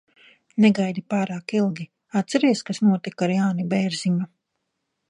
Negaidi pārāk ilgi. Atceries, kas notika ar Jāni Bērziņu?